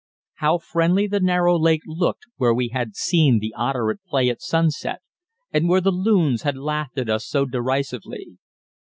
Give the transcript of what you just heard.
How friendly the narrow lake looked where we had seen the otter at play at sunset and where the loons had laughed at us so derisively.